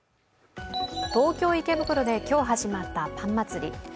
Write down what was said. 東京・池袋で今日始まったパン祭り。